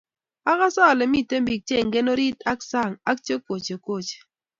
Akase ale mitei bik che ingen orit ak sang ko ache kochekoche